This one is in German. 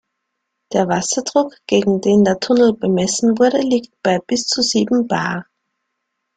Der Wasserdruck, gegen den der Tunnel bemessen wurde, liegt bei bis zu sieben Bar.